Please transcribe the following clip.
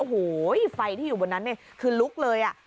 โอ้โหไฟที่อยู่บนนั้นเนี่ยคือลุกเลย